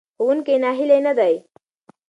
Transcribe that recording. ښوونکی ناهیلی نه دی.